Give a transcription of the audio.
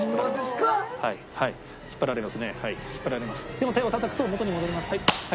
でも手をたたくと元に戻ります。